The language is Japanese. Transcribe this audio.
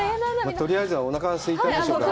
とりあえずはおなかがすいてるでしょうから。